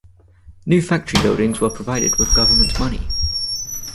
New factory buildings were provided with government money.